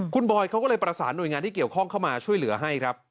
คุณบอยเขาก็เลยประสานหน่วยงานที่เกี่ยวข้องเข้ามาช่วยเหลือให้ครับ